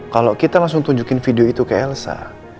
kalau kita langsung tunjukin video itu ke elsa